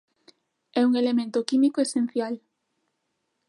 É un elemento químico esencial.